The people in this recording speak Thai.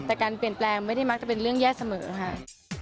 แต่การเปลี่ยนแปลงไม่ได้มักจะเป็นเรื่องแย่เสมอค่ะ